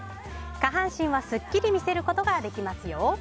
下半身をすっきり見せることができますよ。